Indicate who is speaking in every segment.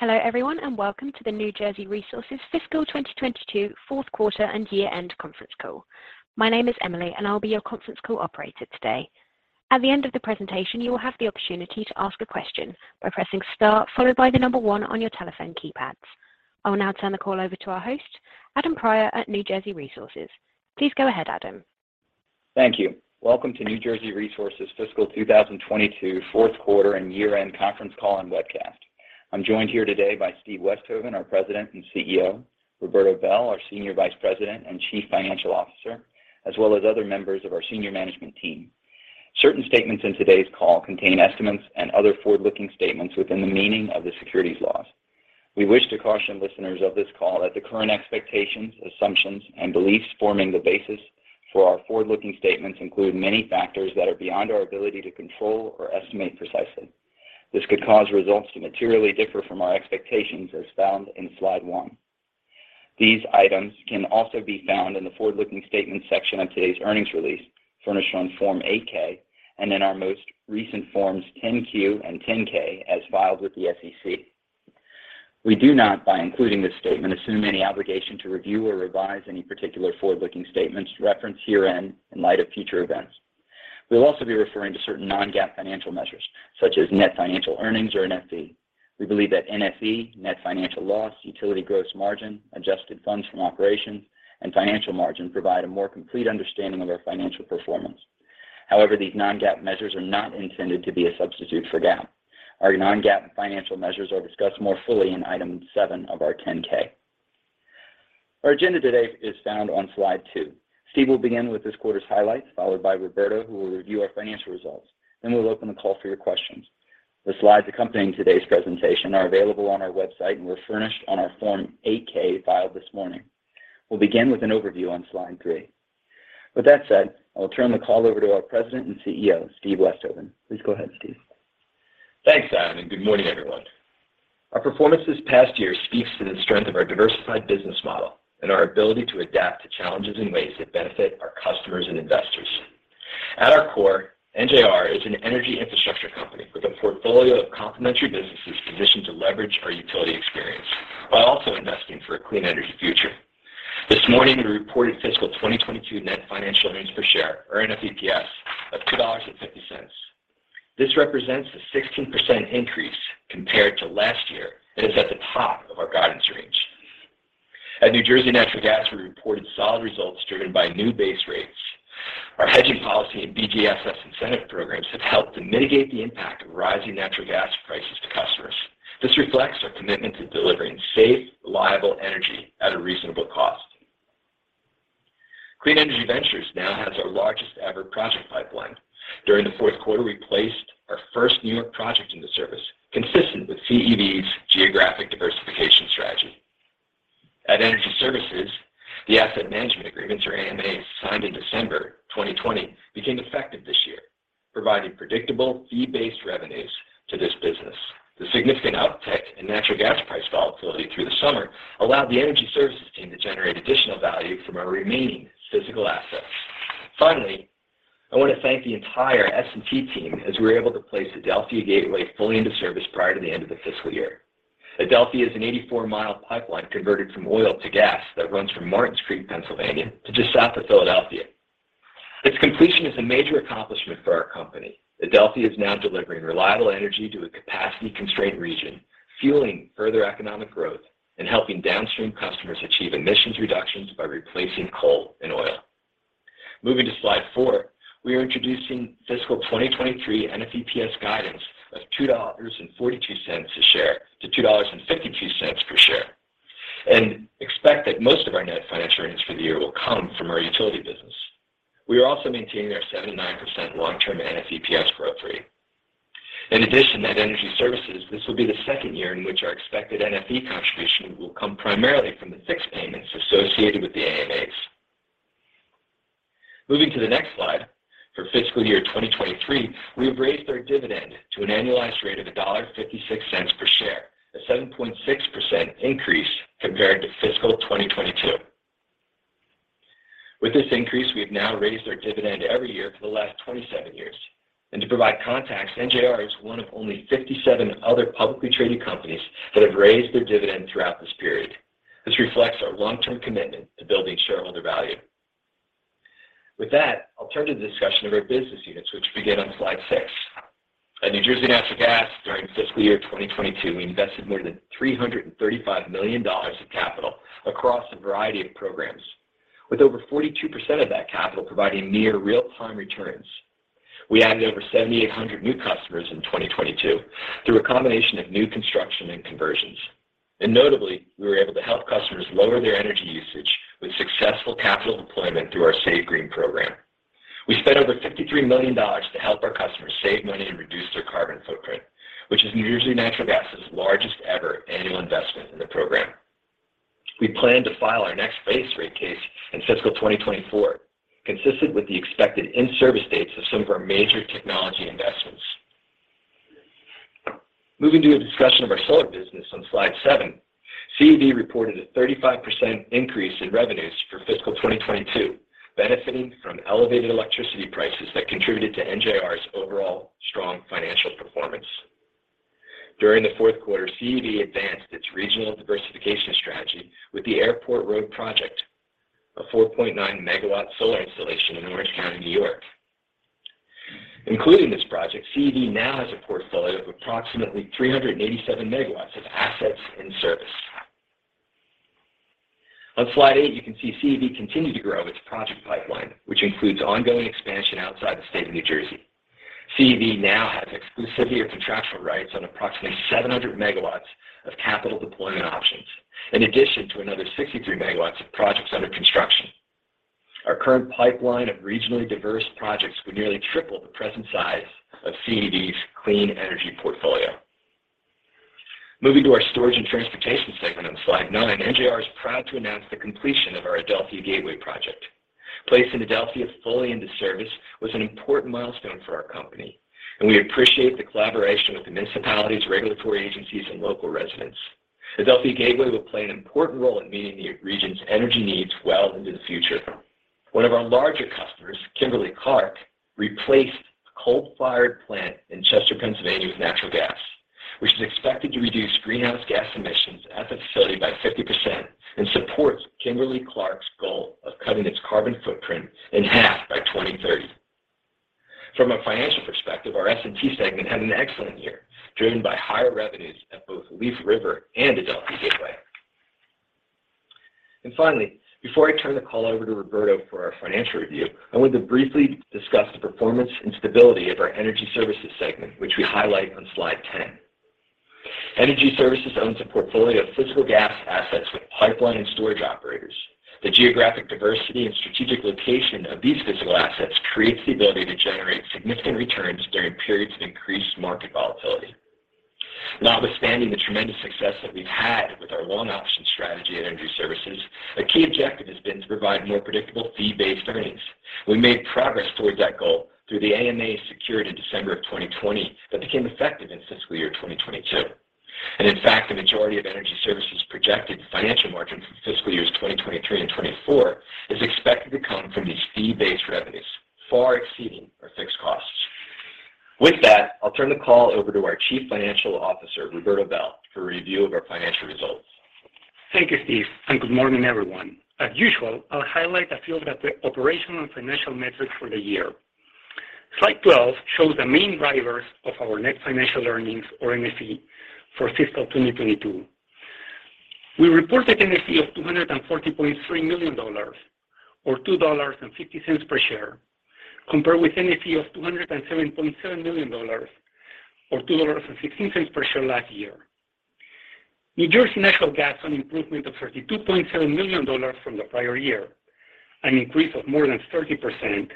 Speaker 1: Hello everyone, and welcome to the New Jersey Resources Fiscal 2022 fourth quarter and year-end conference call. My name is Emily, and I'll be your conference call operator today. At the end of the presentation, you will have the opportunity to ask a question by pressing star followed by the number one on your telephone keypads. I will now turn the call over to our host, Adam Prior at New Jersey Resources. Please go ahead, Adam.
Speaker 2: Thank you. Welcome to New Jersey Resources fiscal 2022 fourth quarter and year-end conference call and webcast. I'm joined here today by Steve Westhoven, our President and CEO, Roberto Bel, our Senior Vice President and Chief Financial Officer, as well as other members of our senior management team. Certain statements in today's call contain estimates and other forward-looking statements within the meaning of the securities laws. We wish to caution listeners of this call that the current expectations, assumptions, and beliefs forming the basis for our forward-looking statements include many factors that are beyond our ability to control or estimate precisely. This could cause results to materially differ from our expectations as found in slide one. These items can also be found in the forward-looking statements section of today's earnings release, furnished on Form 8-K, and in our most recent Forms 10-Q and 10-K as filed with the SEC. We do not, by including this statement, assume any obligation to review or revise any particular forward-looking statements referenced herein in light of future events. We'll also be referring to certain non-GAAP financial measures, such as net financial earnings or NFE. We believe that NFE, net financial loss, utility gross margin, adjusted funds from operations, and financial margin provide a more complete understanding of our financial performance. However, these non-GAAP measures are not intended to be a substitute for GAAP. Our non-GAAP financial measures are discussed more fully in item seven of our 10-K. Our agenda today is found on slide two. Steve will begin with this quarter's highlights, followed by Roberto, who will review our financial results. Then we'll open the call for your questions. The slides accompanying today's presentation are available on our website and were furnished on our Form 8-K filed this morning. We'll begin with an overview on slide three. With that said, I will turn the call over to our President and CEO, Steve Westhoven. Please go ahead, Steve.
Speaker 3: Thanks, Adam, and good morning, everyone. Our performance this past year speaks to the strength of our diversified business model and our ability to adapt to challenges in ways that benefit our customers and investors. At our core, NJR is an energy infrastructure company with a portfolio of complementary businesses positioned to leverage our utility experience while also investing for a clean energy future. This morning, we reported fiscal 2022 Net Financial Earnings Per Share, or NFEPS, of $2.50. This represents a 16% increase compared to last year and is at the top of our guidance range. At New Jersey Natural Gas, we reported solid results driven by new base rates. Our hedging policy and BGSS incentive programs have helped to mitigate the impact of rising natural gas prices to customers. This reflects our commitment to delivering safe, reliable energy at a reasonable cost. Clean Energy Ventures now has our largest-ever project pipeline. During the fourth quarter, we placed our first New York project into service, consistent with CEV's geographic diversification strategy. At Energy Services, the asset management agreements or AMAs signed in December 2020 became effective this year, providing predictable fee-based revenues to this business. The significant uptick in natural gas price volatility through the summer allowed the Energy Services team to generate additional value from our remaining physical assets. Finally, I want to thank the entire S&T team as we were able to place Adelphia Gateway fully into service prior to the end of the fiscal year. Adelphia is an 84-mile pipeline converted from oil to gas that runs from Martins Creek, Pennsylvania, to just south of Philadelphia. Its completion is a major accomplishment for our company. Adelphia is now delivering reliable energy to a capacity-constrained region, fueling further economic growth and helping downstream customers achieve emissions reductions by replacing coal and oil. Moving to slide four, we are introducing fiscal 2023 NFEPS guidance of $2.42 a share-$2.52 per share and expect that most of our net financial earnings for the year will come from our utility business. We are also maintaining our 7%-9% long-term NFEPS growth rate. In addition, at Energy Services, this will be the second year in which our expected NFE contribution will come primarily from the fixed payments associated with the AMAs. Moving to the next slide, for fiscal year 2023, we have raised our dividend to an annualized rate of $1.56 per share, a 7.6% increase compared to fiscal 2022. With this increase, we have now raised our dividend every year for the last 27 years. To provide context, NJR is one of only 57 other publicly traded companies that have raised their dividend throughout this period. This reflects our long-term commitment to building shareholder value. With that, I'll turn to the discussion of our business units, which begin on slide six. At New Jersey Natural Gas during fiscal year 2022, we invested more than $335 million of capital across a variety of programs, with over 42% of that capital providing near real-time returns. We added over 7,800 new customers in 2022 through a combination of new construction and conversions. Notably, we were able to help customers lower their energy usage with successful capital deployment through our SAVEGREEN program. We spent over $53 million to help our customers save money and reduce their carbon footprint, which is New Jersey Natural Gas's largest ever annual investment in the program. We plan to file our next base rate case in fiscal 2024, consistent with the expected in-service dates of some of our major technology investments. Moving to a discussion of our solar business on slide seven, CEV reported a 35% increase in revenues for fiscal 2022, benefiting from elevated electricity prices that contributed to NJR's overall strong financial performance. During the fourth quarter, CEV advanced its regional diversification strategy with the Airport Road project, a 4.9-MW solar installation in Orange County, New York. Including this project, CEV now has a portfolio of approximately 387 MW of assets in service. On slide eight, you can see CEV continue to grow its project pipeline, which includes ongoing expansion outside the state of New Jersey. CEV now has exclusive year contractual rights on approximately 700 MW of capital deployment options, in addition to another 63 MW of projects under construction. Our current pipeline of regionally diverse projects would nearly triple the present size of CEV's clean energy portfolio. Moving to our Storage and Transportation segment on slide nine, NJR is proud to announce the completion of our Adelphia Gateway project. Placing Adelphia fully into service was an important milestone for our company, and we appreciate the collaboration with the municipalities, regulatory agencies, and local residents. Adelphia Gateway will play an important role in meeting the region's energy needs well into the future. One of our larger customers, Kimberly-Clark, replaced a coal-fired plant in Chester, Pennsylvania with natural gas, which is expected to reduce greenhouse gas emissions at the facility by 50% and supports Kimberly-Clark's goal of cutting its carbon footprint in half by 2030. From a financial perspective, our S&T segment had an excellent year, driven by higher revenues at both Leaf River and Adelphia Gateway. Finally, before I turn the call over to Roberto for our financial review, I want to briefly discuss the performance and stability of our Energy Services segment, which we highlight on slide 10. Energy Services owns a portfolio of physical gas assets with pipeline and storage operators. The geographic diversity and strategic location of these physical assets creates the ability to generate significant returns during periods of increased market volatility. Notwithstanding the tremendous success that we've had with our long option strategy at Energy Services, a key objective has been to provide more predictable fee-based earnings. We made progress towards that goal through the AMAs secured in December of 2020 that became effective in fiscal year 2022. In fact, the majority of Energy Services projected financial margins for fiscal years 2023 and 2024 is expected to come from these fee-based revenues, far exceeding our fixed costs. With that, I'll turn the call over to our Chief Financial Officer, Roberto Bel, for a review of our financial results.
Speaker 4: Thank you, Steve, and good morning, everyone. As usual, I'll highlight a few of the operational and financial metrics for the year. Slide 12 shows the main drivers of our net financial earnings or NFE for fiscal 2022. We reported NFE of $240.3 million or $2.50 per share, compared with NFE of $207.7 million or $2.16 per share last year. New Jersey Natural Gas on improvement of $32.7 million from the prior year, an increase of more than 30%,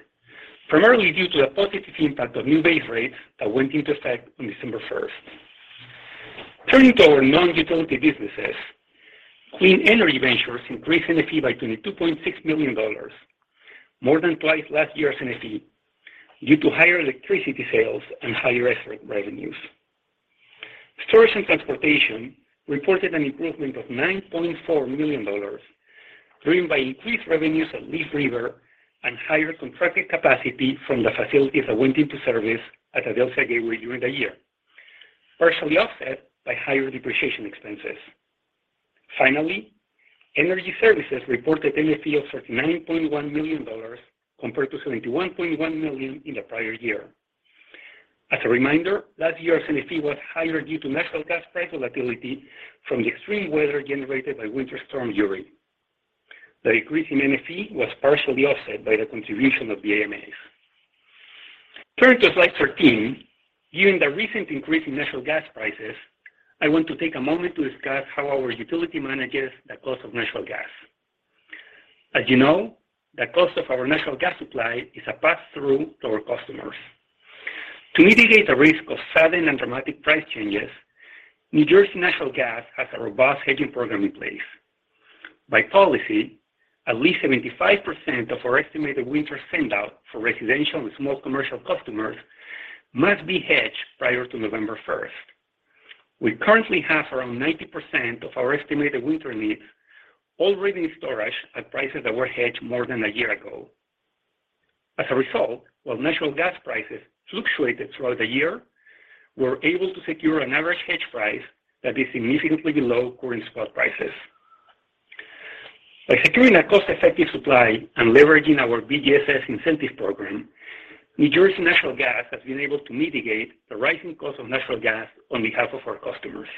Speaker 4: primarily due to the positive impact of new base rates that went into effect on December 1st. Turning to our non-utility businesses, Clean Energy Ventures increased NFE by $22.6 million, more than twice last year's NFE due to higher electricity sales and higher SREC revenues. Storage and Transportation reported an improvement of $9.4 million, driven by increased revenues at Leaf River and higher contracted capacity from the facilities that went into service at Adelphia Gateway during the year, partially offset by higher depreciation expenses. Finally, Energy Services reported NFE of $39.1 million compared to $71.1 million in the prior year. As a reminder, last year's NFE was higher due to natural gas price volatility from the extreme weather generated by Winter Storm Uri. The increase in NFE was partially offset by the contribution of the AMAs. Turning to slide 13. Given the recent increase in natural gas prices, I want to take a moment to discuss how our utility manages the cost of natural gas. As you know, the cost of our natural gas supply is a pass-through to our customers. To mitigate the risk of sudden and dramatic price changes, New Jersey Natural Gas has a robust hedging program in place. By policy, at least 75% of our estimated winter sendout for residential and small commercial customers must be hedged prior to November 1st. We currently have around 90% of our estimated winter needs already in storage at prices that were hedged more than a year ago. As a result, while natural gas prices fluctuated throughout the year, we were able to secure an average hedge price that is significantly below current spot prices. By securing a cost-effective supply and leveraging our BGSS incentive program, New Jersey Natural Gas has been able to mitigate the rising cost of natural gas on behalf of our customers.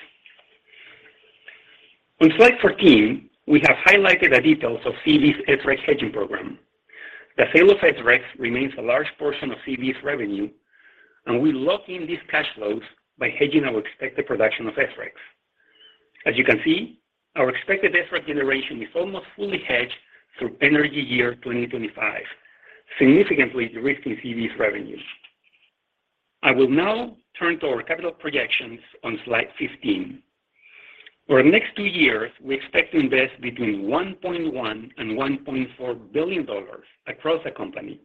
Speaker 4: On slide 14, we have highlighted the details of CEV's SREC hedging program. The sale of SRECs remains a large portion of CEV's revenue, and we lock in these cash flows by hedging our expected production of SRECs. As you can see, our expected SREC generation is almost fully hedged through energy year 2025, significantly de-risking CEV's revenues. I will now turn to our capital projections on slide 15. For the next two years, we expect to invest between $1.1 billion and $1.4 billion across the company,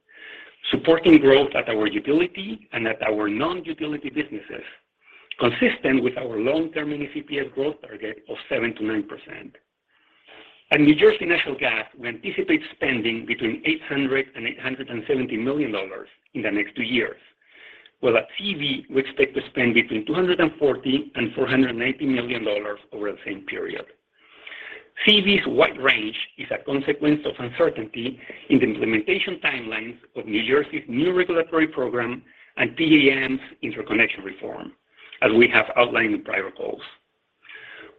Speaker 4: supporting growth at our utility and at our non-utility businesses, consistent with our long-term NFE growth target of 7%-9%. At New Jersey Natural Gas, we anticipate spending between $800 million and $870 million in the next two years. While at CEV, we expect to spend between $240 million and $480 million over the same period. CEV's wide range is a consequence of uncertainty in the implementation timelines of New Jersey's new regulatory program and PJM's interconnection reform, as we have outlined in prior calls.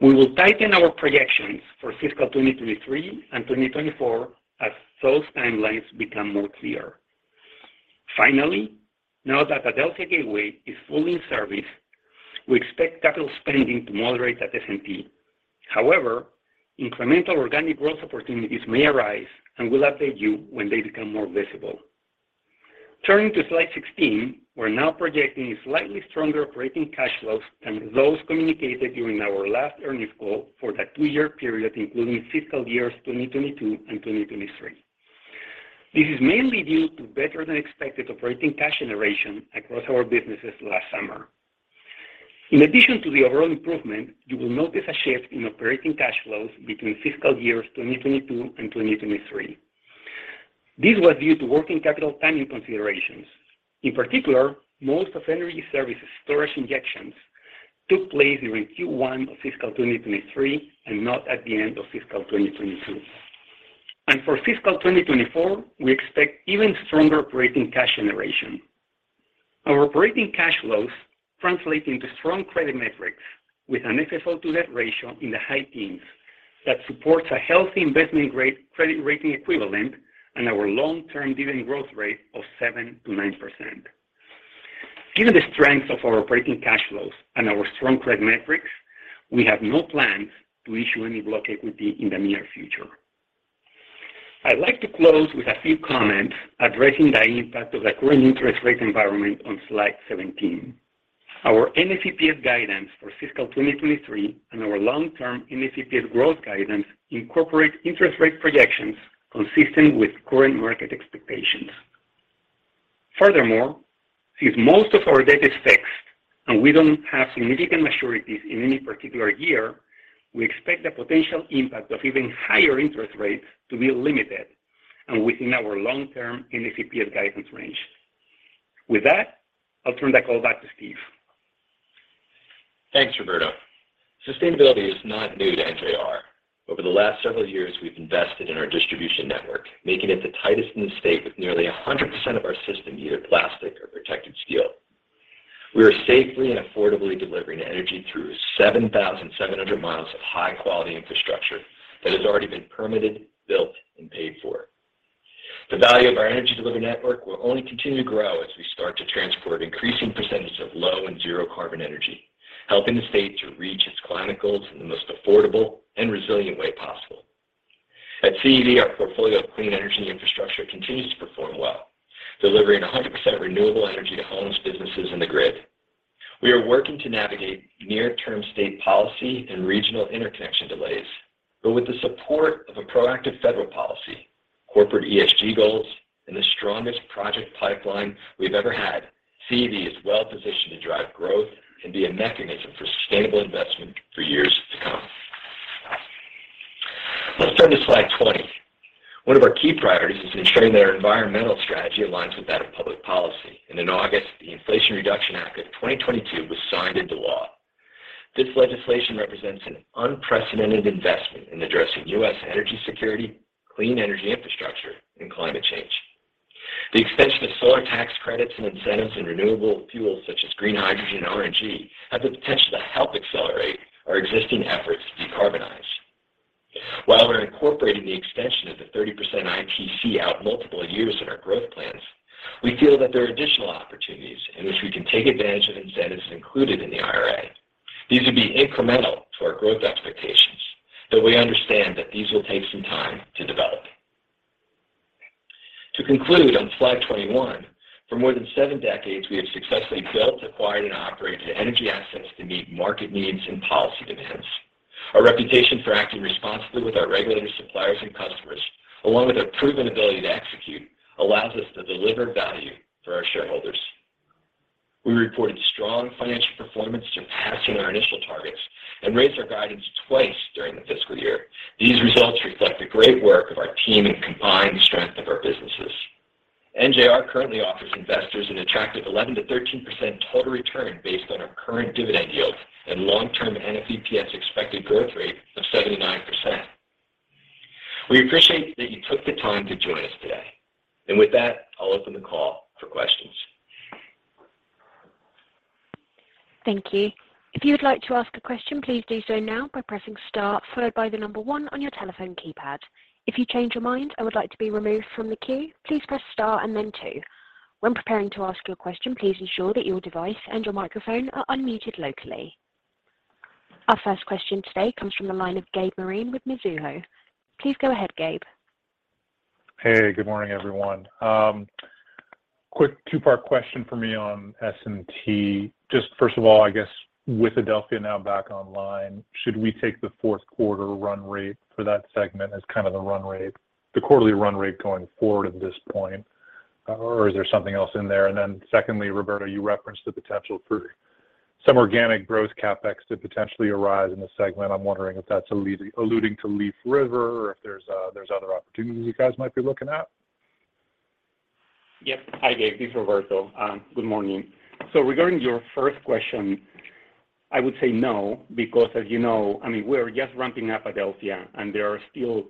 Speaker 4: We will tighten our projections for fiscal 2023 and 2024 as those timelines become more clear. Finally, now that Adelphia Gateway is fully in service, we expect capital spending to moderate at S&T. However, incremental organic growth opportunities may arise, and we'll update you when they become more visible. Turning to slide 16, we're now projecting slightly stronger operating cash flows than those communicated during our last earnings call for the two-year period, including fiscal years 2022 and 2023. This is mainly due to better-than-expected operating cash generation across our businesses last summer. In addition to the overall improvement, you will notice a shift in operating cash flows between fiscal years 2022 and 2023. This was due to working capital timing considerations. In particular, most of Energy Services storage injections took place during Q1 of fiscal 2023 and not at the end of fiscal 2022. For fiscal 2024, we expect even stronger operating cash generation. Our operating cash flows translate into strong credit metrics with an FFO-to-debt ratio in the high teens that supports a healthy investment-grade credit rating equivalent and our long-term dividend growth rate of 7%-9%. Given the strength of our operating cash flows and our strong credit metrics, we have no plans to issue any block equity in the near future. I'd like to close with a few comments addressing the impact of the current interest rate environment on slide 17. Our NFEPS guidance for fiscal 2023 and our long-term NFEPS growth guidance incorporate interest rate projections consistent with current market expectations. Furthermore, since most of our debt is fixed and we don't have significant maturities in any particular year, we expect the potential impact of even higher interest rates to be limited and within our long-term NFEPS guidance range. With that, I'll turn the call back to Steve.
Speaker 3: Thanks, Roberto. Sustainability is not new to NJR. Over the last several years, we've invested in our distribution network, making it the tightest in the state with nearly 100% of our system either plastic or protected steel. We are safely and affordably delivering energy through 7,700 miles of high-quality infrastructure that has already been permitted, built, and paid for. The value of our energy delivery network will only continue to grow as we start to transport increasing percentage of low and zero carbon energy, helping the state to reach its climate goals in the most affordable and resilient way possible. At CEV, our portfolio of clean energy infrastructure continues to perform well, delivering 100% renewable energy to homes, businesses, and the grid. We are working to navigate near-term state policy and regional interconnection delays. With the support of a proactive federal policy, corporate ESG goals, and the strongest project pipeline we've ever had, CEV is well positioned to drive growth and be a mechanism for sustainable investment for years to come. Let's turn to slide 20. One of our key priorities is ensuring that our environmental strategy aligns with that of public policy, and in August, the Inflation Reduction Act of 2022 was signed into law. This legislation represents an unprecedented investment in addressing US energy security, clean energy infrastructure, and climate change. The extension of solar tax credits and incentives in renewable fuels such as green hydrogen and RNG have the potential to help accelerate our existing efforts to decarbonize. While we're incorporating the extension of the 30% ITC out multiple years in our growth plans, we feel that there are additional opportunities in which we can take advantage of incentives included in the IRA. These would be incremental to our growth expectations, though we understand that these will take some time to develop. To conclude on slide 21, for more than seven decades, we have successfully built, acquired, and operated energy assets to meet market needs and policy demands. Our reputation for acting responsibly with our regulators, suppliers, and customers, along with our proven ability to execute, allows us to deliver value for our shareholders. We reported strong financial performance, surpassing our initial targets and raised our guidance twice during the fiscal year. These results reflect the great work of our team and combined strength of our businesses. NJR currently offers investors an attractive 11%-13% total return based on our current dividend yield and long-term NFEPS expected growth rate of 7%-9%. We appreciate that you took the time to join us today. With that, I'll open the call for questions.
Speaker 1: Thank you. If you would like to ask a question, please do so now by pressing star followed by the one on your telephone keypad. If you change your mind and would like to be removed from the queue, please press star and then two. When preparing to ask your question, please ensure that your device and your microphone are unmuted locally. Our first question today comes from the line of Gabe Moreen with Mizuho. Please go ahead, Gabe.
Speaker 5: Hey, good morning, everyone. Quick two-part question for me on S&T. Just first of all, I guess with Adelphia now back online, should we take the fourth quarter run rate for that segment as kind of the run rate, the quarterly run rate going forward at this point, or is there something else in there? Secondly, Roberto, you referenced the potential for some organic growth CapEx to potentially arise in the segment. I'm wondering if that's alluding to Leaf River or if there's other opportunities you guys might be looking at.
Speaker 4: Yep. Hi Gabe, this is Roberto. Good morning. Regarding your first question, I would say no because as you know, I mean, we're just ramping up Adelphia, and there are still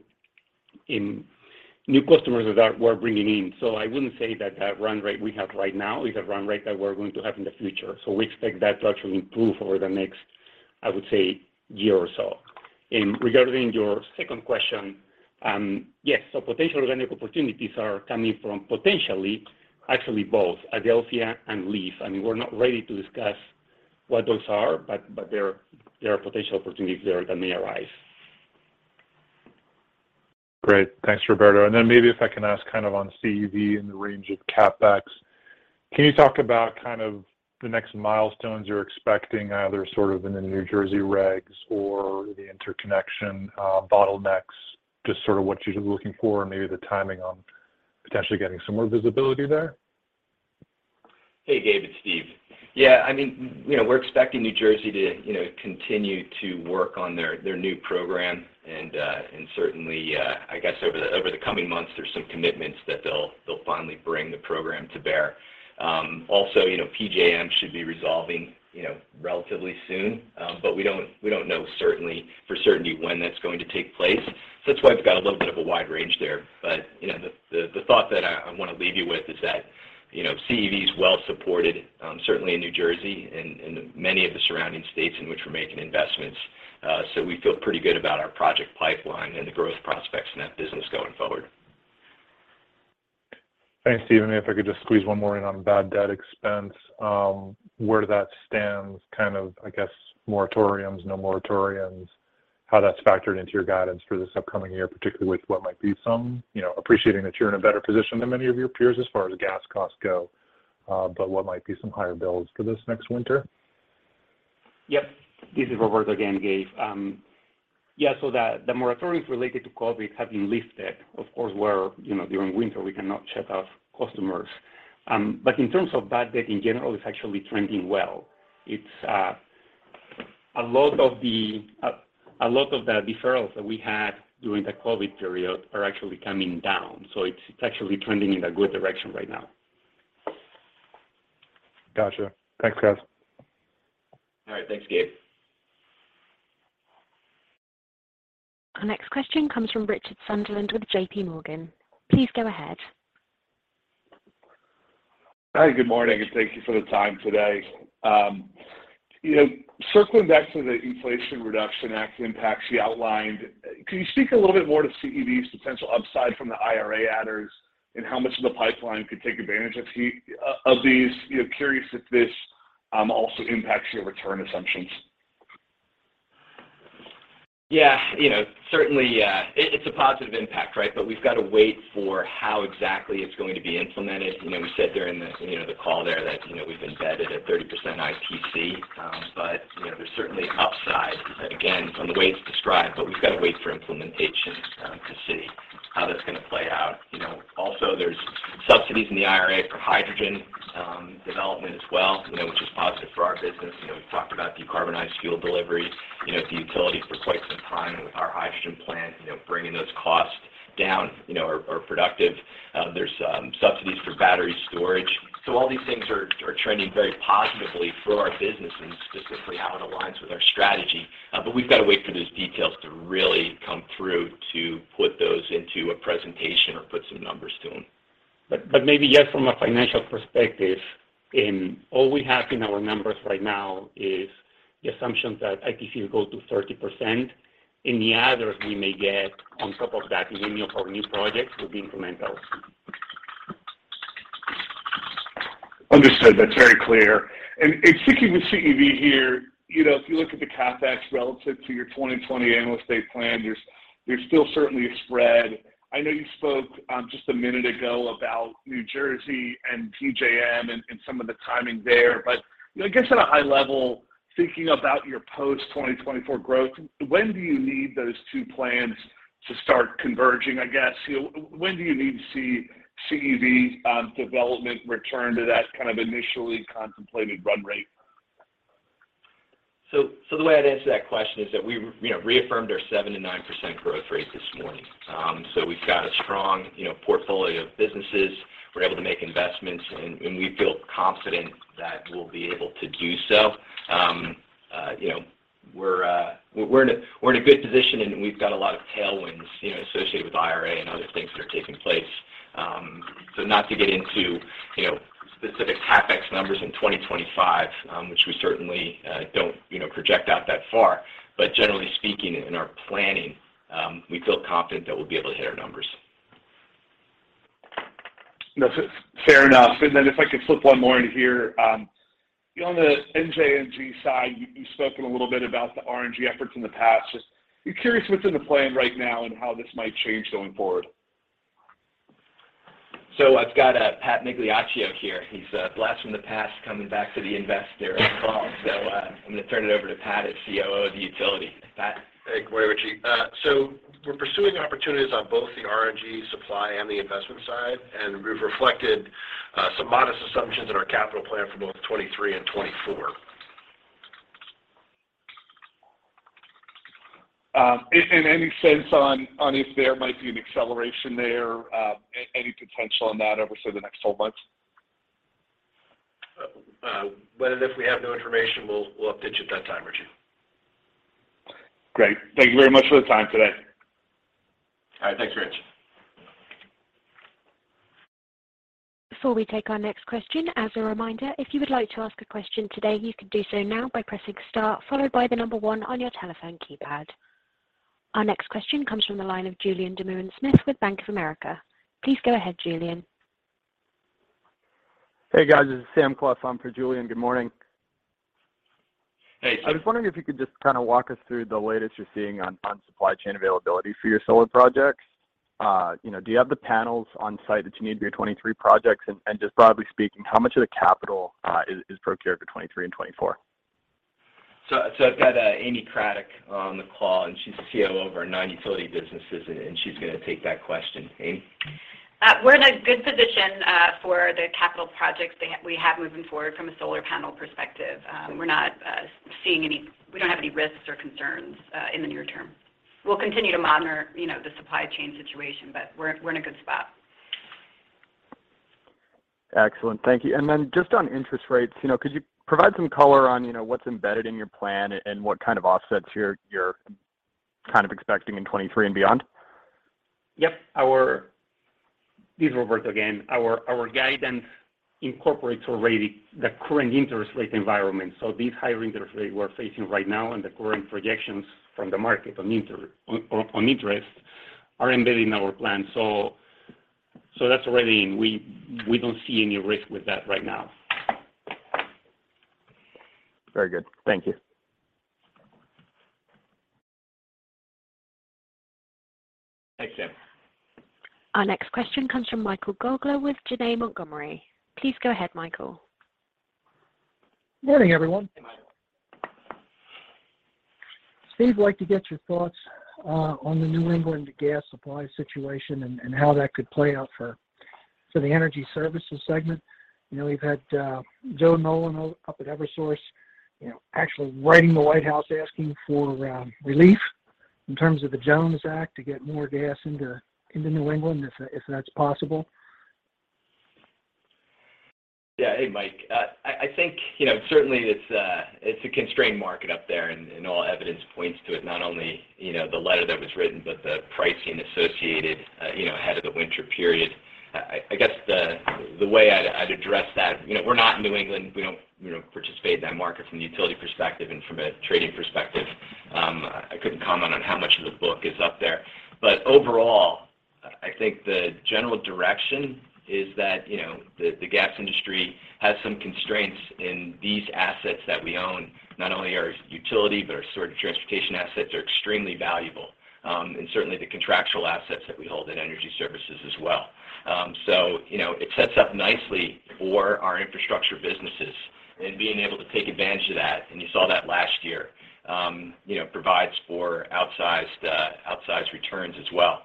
Speaker 4: new customers that we're bringing in. I wouldn't say that that run rate we have right now is a run rate that we're going to have in the future. We expect that to actually improve over the next, I would say, year or so. Regarding your second question, yes. Potential organic opportunities are coming from potentially actually both Adelphia and Leaf. I mean, we're not ready to discuss what those are, but there are potential opportunities there that may arise.
Speaker 5: Great. Thanks, Roberto. Maybe if I can ask kind of on CEV in the range of CapEx. Can you talk about kind of the next milestones you're expecting, either sort of in the New Jersey regs or the interconnection bottlenecks, just sort of what you're looking for and maybe the timing on potentially getting some more visibility there?
Speaker 3: Hey, Gabe, it's Steve. Yeah, I mean, you know, we're expecting New Jersey to, you know, continue to work on their new program. Certainly, I guess over the coming months, there's some commitments that they'll finally bring the program to bear. Also, you know, PJM should be resolving, you know, relatively soon. We don't know for certainty when that's going to take place. That's why we've got a little bit of a wide range there. You know, the thought that I want to leave you with is that, you know, CEV is well supported, certainly in New Jersey and many of the surrounding states in which we're making investments. We feel pretty good about our project pipeline and the growth prospects in that business going forward.
Speaker 5: Thanks, Steve. If I could just squeeze one more in on bad debt expense, where that stands kind of, I guess, moratoriums, no moratoriums, how that's factored into your guidance for this upcoming year. You know, appreciating that you're in a better position than many of your peers as far as gas costs go, what might be some higher bills for this next winter?
Speaker 4: Yep. This is Roberto again, Gabe. Yeah, the moratoriums related to COVID have been lifted. Of course, you know, during winter, we cannot shut off customers. In terms of bad debt in general, it's actually trending well. A lot of the deferrals that we had during the COVID period are actually coming down. It's actually trending in a good direction right now.
Speaker 5: Gotcha. Thanks, guys.
Speaker 3: All right. Thanks, Gabe.
Speaker 1: Our next question comes from Richard Sunderland with JPMorgan. Please go ahead.
Speaker 6: Hi, good morning, and thank you for the time today. You know, circling back to the Inflation Reduction Act impacts you outlined, can you speak a little bit more to CEV's potential upside from the IRA adders and how much of the pipeline could take advantage of these? You know, curious if this also impacts your return assumptions.
Speaker 3: Yeah. You know, certainly, it's a positive impact, right? We've got to wait for how exactly it's going to be implemented. You know, we said during the call there that we've embedded a 30% ITC, but, you know, there's certainly upside, again, from the way it's described, but we've got to wait for implementation to see how that's gonna play out. You know, also there's subsidies in the IRA for hydrogen development as well, you know, which is positive for our business. You know, we've talked about decarbonized fuel delivery, you know, at the utility for quite some time and with our hydrogen plant, you know, bringing those costs down, you know, are productive. There's subsidies for battery storage. All these things are trending very positively for our business and specifically how it aligns with our strategy. We've got to wait for those details to really come through to put those into a presentation or put some numbers to them.
Speaker 4: Maybe just from a financial perspective, and all we have in our numbers right now is the assumption that ITC will go to 30%. Any adders we may get on top of that in any of our new projects would be incremental.
Speaker 6: Understood. That's very clear. Sticking with CEV here, you know, if you look at the CapEx relative to your 2020 annual state plan, there's still certainly a spread. I know you spoke just a minute ago about New Jersey and PJM and some of the timing there. You know, I guess at a high level, thinking about your post-2024 growth, when do you need those two plans to start converging, I guess? You know, when do you need to see CEV's development return to that kind of initially contemplated run rate?
Speaker 3: The way I'd answer that question is that we, you know, reaffirmed our 7%-9% growth rate this morning. We've got a strong, you know, portfolio of businesses. We're able to make investments, and we feel confident that we'll be able to do so. You know, we're in a good position, and we've got a lot of tailwinds, you know, associated with IRA and other things that are taking place. Not to get into, you know, specific CapEx numbers in 2025, which we certainly don't, you know, project out that far. Generally speaking, in our planning, we feel confident that we'll be able to hit our numbers.
Speaker 6: No, fair enough. If I could flip one more in here. On the NJNG side, you've spoken a little bit about the RNG efforts in the past. Just be curious what's in the plan right now and how this might change going forward.
Speaker 3: I've got Patrick Migliaccio here. He's a blast from the past coming back to the investor call. I'm gonna turn it over to Pat at COO of the utility. Pat.
Speaker 7: Hey. Good morning, Richard Sunderland. We're pursuing opportunities on both the RNG supply and the investment side, and we've reflected some modest assumptions in our capital plan for both 2023 and 2024.
Speaker 6: Any sense on if there might be an acceleration there, any potential on that over, say, the next 12 months?
Speaker 3: Well, if we have new information, we'll update you at that time, Richard.
Speaker 6: Great. Thank you very much for the time today.
Speaker 3: All right. Thanks, Richard.
Speaker 1: Before we take our next question, as a reminder, if you would like to ask a question today, you can do so now by pressing star followed by the number one on your telephone keypad. Our next question comes from the line of Julien Dumoulin-Smith with Bank of America. Please go ahead, Julien.
Speaker 8: Hey, guys. This is Sam Clough. I'm for Julien. Good morning.
Speaker 3: Hey, Sam.
Speaker 8: I was wondering if you could just kind of walk us through the latest you're seeing on supply chain availability for your solar projects. You know, do you have the panels on site that you need for your 2023 projects? Just broadly speaking, how much of the capital is procured for 2023 and 2024?
Speaker 3: I've got Amy Cradic on the call, and she's the CEO of our Non-Utility Businesses, and she's gonna take that question. Amy?
Speaker 9: We're in a good position for the capital projects that we have moving forward from a solar panel perspective. We don't have any risks or concerns in the near term. We'll continue to monitor, you know, the supply chain situation, but we're in a good spot.
Speaker 8: Excellent. Thank you. Just on interest rates, you know, could you provide some color on, you know, what's embedded in your plan and what kind of offsets you're kind of expecting in 2023 and beyond?
Speaker 3: Yep. This is Roberto again. Our guidance incorporates already the current interest rate environment. These higher interest rates we're facing right now and the current projections from the market on interest are embedded in our plan. That's already in. We don't see any risk with that right now.
Speaker 8: Very good. Thank you.
Speaker 3: Thanks, Sam.
Speaker 1: Our next question comes from Michael Gaugler with Janney Montgomery. Please go ahead, Michael.
Speaker 10: Morning, everyone.
Speaker 3: Hey, Michael.
Speaker 10: Steve, like to get your thoughts on the New England gas supply situation and how that could play out for the Energy Services segment. You know, we've had Joe Nolan up at Eversource, you know, actually writing the White House asking for relief in terms of the Jones Act to get more gas into New England if that's possible.
Speaker 3: Yeah. Hey, Mike. I think, you know, certainly it's a constrained market up there, and all evidence points to it, not only, you know, the letter that was written, but the pricing associated, you know, ahead of the winter period. I guess the way I'd address that, you know, we're not in New England. We don't, you know, participate in that market from the utility perspective and from a trading perspective. I couldn't comment on how much of the book is up there. Overall, I think the general direction is that, you know, the gas industry has some constraints, and these assets that we own, not only our utility but our sort of transportation assets, are extremely valuable, and certainly the contractual assets that we hold in Energy Services as well. You know, it sets up nicely for our infrastructure businesses and being able to take advantage of that, and you saw that last year, you know, provides for outsized returns as well.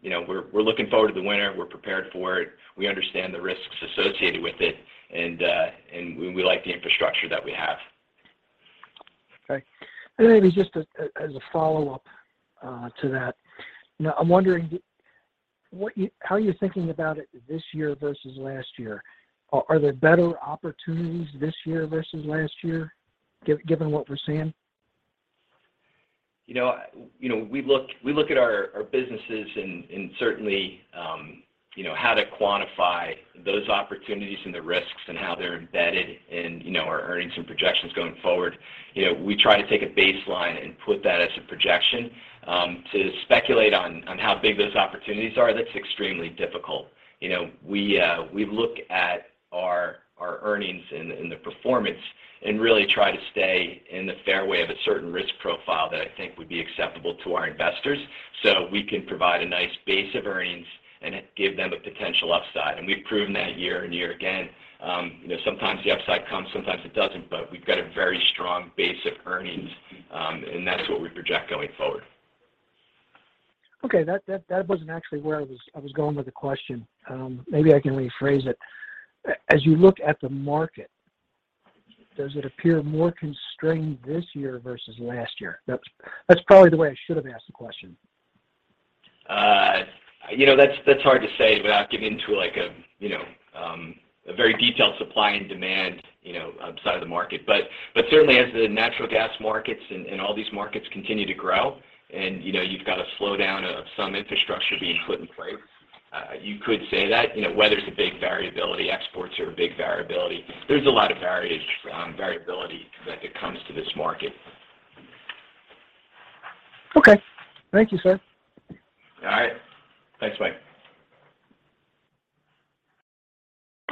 Speaker 3: You know, we're looking forward to the winter. We're prepared for it. We understand the risks associated with it and we like the infrastructure that we have.
Speaker 10: Okay. Maybe just as a follow-up to that. You know, I'm wondering how you're thinking about it this year versus last year. Are there better opportunities this year versus last year given what we're seeing?
Speaker 3: You know, we look at our businesses and certainly, you know, how to quantify those opportunities and the risks and how they're embedded in, you know, our earnings and projections going forward. You know, we try to take a baseline and put that as a projection. To speculate on how big those opportunities are, that's extremely difficult. You know, we look at our earnings and the performance and really try to stay in the fairway of a certain risk profile that I think would be acceptable to our investors, so we can provide a nice base of earnings and give them a potential upside. We've proven that year and year again. You know, sometimes the upside comes, sometimes it doesn't. We've got a very strong base of earnings, and that's what we project going forward.
Speaker 10: Okay. That wasn't actually where I was going with the question. Maybe I can rephrase it. As you look at the market, does it appear more constrained this year versus last year? That's probably the way I should have asked the question.
Speaker 3: You know, that's hard to say without getting into, like a, you know, a very detailed supply and demand, you know, side of the market. Certainly as the natural gas markets and all these markets continue to grow and, you know, you've got a slowdown of some infrastructure being put in place, you could say that. You know, weather's a big variability. Exports are a big variability. There's a lot of variability when it comes to this market.
Speaker 10: Okay. Thank you, sir.
Speaker 3: All right. Thanks, Mike.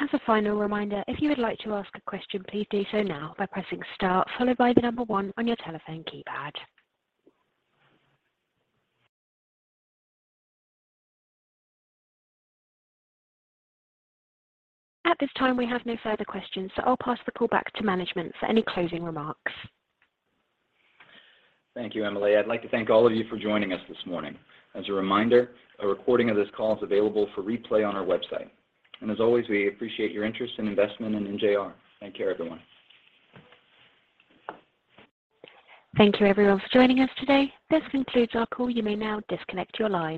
Speaker 1: As a final reminder, if you would like to ask a question, please do so now by pressing star followed by the number one on your telephone keypad. At this time, we have no further questions, so I'll pass the call back to management for any closing remarks.
Speaker 3: Thank you, Emily. I'd like to thank all of you for joining us this morning. As a reminder, a recording of this call is available for replay on our website. As always, we appreciate your interest and investment in NJR. Take care, everyone.
Speaker 1: Thank you everyone for joining us today. This concludes our call. You may now disconnect your lines.